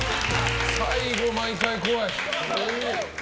最後、毎回怖い。